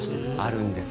あるんです。